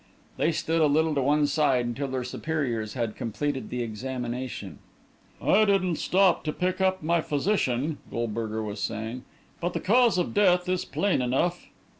They stood a little to one side until their superiors had completed the examination. "I didn't stop to pick up my physician," Goldberger was saying. "But the cause of death is plain enough."